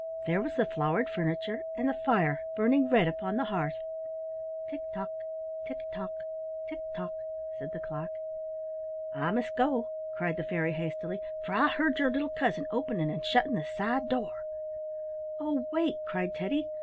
There was the flowered furniture, and the fire burning red upon the hearth. "Tick tock! tick tock! tick tock!" said the clock. "I must go," cried the fairy, hastily, "for I heard your little cousin opening and shutting the side door." "Oh, wait!" cried Teddy.